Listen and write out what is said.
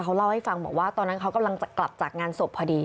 เขาเล่าให้ฟังบอกว่าตอนนั้นเขากำลังจะกลับจากงานศพพอดี